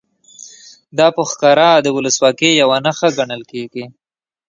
دا په ښکاره د ولسواکۍ یوه نښه ګڼل کېږي.